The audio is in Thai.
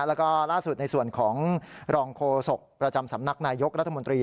แล้วก็ล่าสุดในส่วนของรองโฆษกประจำสำนักนายยกรัฐมนตรี